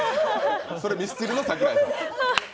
それ、ミスチルの桜井さん。